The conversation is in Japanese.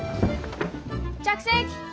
着席！